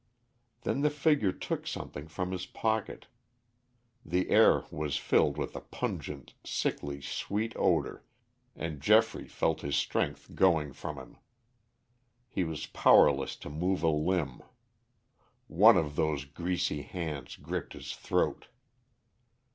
Then the figure took something from his pocket; the air was filled with a pungent, sickly sweet odor, and Geoffrey felt his strength going from him. He was powerless to move a limb. One of those greasy hands gripped his throat.